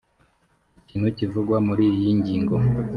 ikintu kivugwa muri iyi ngingo